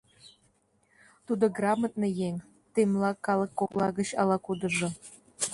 Тудо грамотный еҥ! — темла калык кокла гыч ала-кудыжо.